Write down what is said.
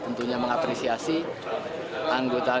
tentunya mengapresiasi anggota